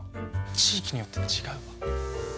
地域によって違うわ。